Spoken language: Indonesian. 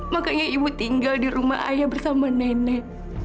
makanya ibu tinggal di rumah ayah bersama nenek